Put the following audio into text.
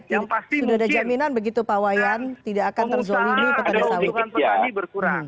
yang pasti mungkin pengusaha ada usaha petani berkurang